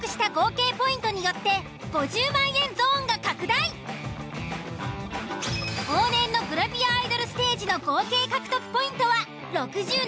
獲得した往年のグラビアアイドルステージの合計獲得ポイントは６７ポイント。